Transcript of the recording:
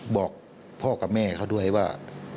บอกพ่อกับแม่เขาด้วยว่า